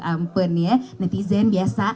ampun ya netizen biasa